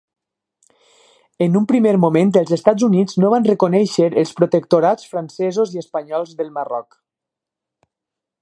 En un primer moment els Estats Units no van reconèixer els protectorats francesos i espanyols del Marroc.